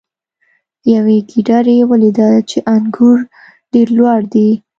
یوې ګیدړې ولیدل چې انګور ډیر لوړ دي.